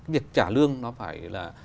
việc trả lương nó phải là